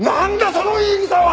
その言い草は！